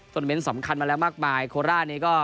โทรเมนต์สำคัญมาแล้วมากมายโคลร้าเนี่ยก็